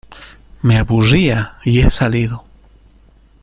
me aburría, y he salido...